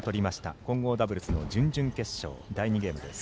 混合ダブルスの準々決勝第２ゲームです。